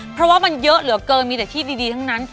เพราะว่ามันเยอะเหลือเกินมีแต่ที่ดีทั้งนั้น